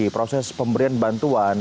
proses pemberian bantuan